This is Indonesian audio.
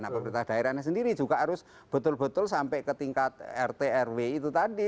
nah pemerintah daerahnya sendiri juga harus betul betul sampai ke tingkat rt rw itu tadi